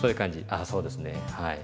あそうですね。はい。